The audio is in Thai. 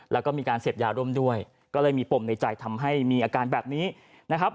แล้วก็มีการเสพยาร่วมด้วยก็เลยมีปมในใจทำให้มีอาการแบบนี้นะครับ